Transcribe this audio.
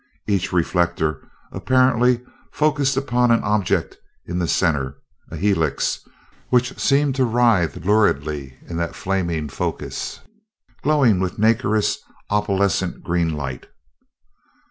Each reflector apparently focussed upon an object in the center, a helix which seemed to writhe luridly in that flaming focus, glowing with a nacreous, opalescent green light.